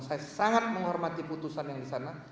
saya sangat menghormati putusan yang disana